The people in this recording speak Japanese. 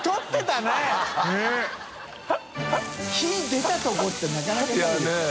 出たとこってなかなかないよいやねぇ。